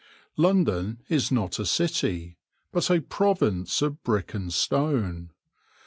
London is not a city, but a province of brick and stone.